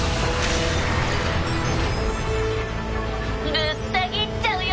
ぶった切っちゃうよ。